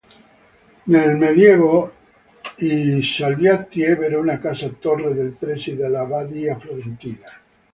Nel medioevo i Salviati ebbero una casa-torre nei pressi della Badia Fiorentina.